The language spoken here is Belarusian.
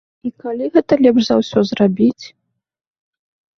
І калі гэта лепш за ўсё зрабіць?